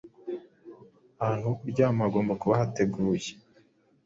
ahantu ho kuryama hagomba kuba hateguye